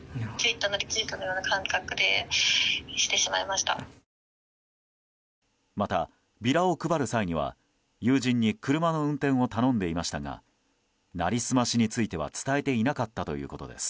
また、ビラを配る際には友人に車の運転を頼んでいましたが成り済ましについては伝えていなかったということです。